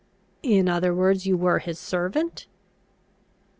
"In other words, you were his servant?"